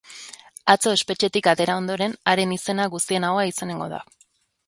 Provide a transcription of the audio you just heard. Atzo espetxetik atera ondoren, haren izena guztien ahoan izango da.